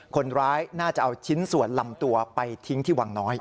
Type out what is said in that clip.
คนร้ายน่าจะเอาชิ้นส่วนลำตัวไปทิ้งที่วังน้อย